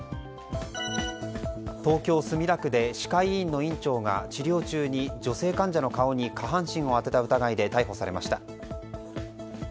東京・墨田区で歯科医院の院長が治療中に女性患者の顔に下半身を当てた疑いで逮捕されました。